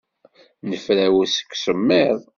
Nefrawes seg usemmiḍ.